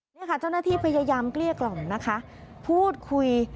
นี่ค่ะเจ้าหน้าที่พยายามเกลี้ยกล่อมนะคะพูดคุย